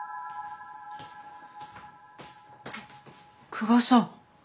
久我さん。